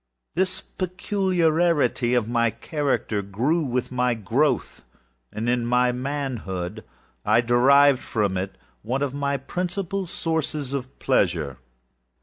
This peculiarity of character grew with my growth, and in my manhood, I derived from it one of my principal sources of pleasure.